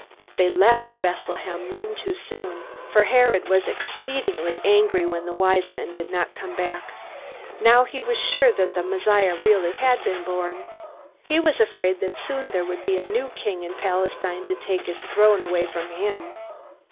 They left Bethlehem none too soon. For Herod was exceedingly angry when the Wise Men did not come back. Now he was sure that the Messiah really had been born! He was afraid that soon there would be a new king in Palestine to take his throne away from him.